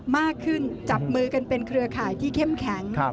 มากขึ้นจับมือกันเป็นเครือข่ายที่เข้มแข็ง